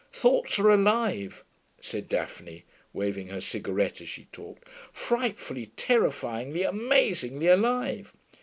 Thoughts are alive,' said Daphne, waving her cigarette as she talked, 'frightfully, terrifyingly, amazingly alive.